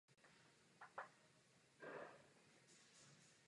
Malířství se věnovali i jeho syn Lan Jü a vnuk Lan Šen.